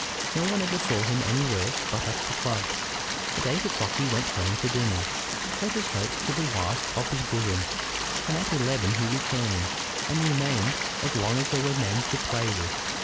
No one ever saw him anywhere but at the club. At eight o'clock he went home to dinner, let us hope to the wife of his bosom, and at eleven he returned, and remained as long as there were men to play with.